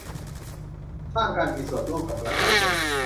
สร้างการมีส่วนร่วมกับประชาชน